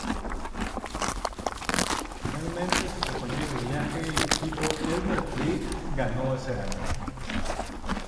Finalmente su compañero de viaje y equipo Elmer Flick ganó ese año.